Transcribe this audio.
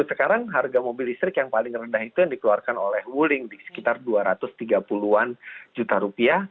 sekarang harga mobil listrik yang paling rendah itu yang dikeluarkan oleh wuling di sekitar rp dua ratus tiga puluh